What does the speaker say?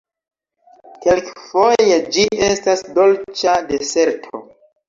Kelkfoje, ĝi estas dolĉa deserto.